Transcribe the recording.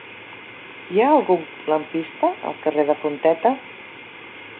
Hi ha algun lampista al carrer de Fonteta?